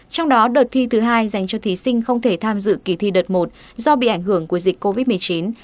trong đó đợt thi thứ hai dành cho thí sinh không thể tham dự kỳ thi đợt một do bị ảnh hưởng của dịch covid một mươi chín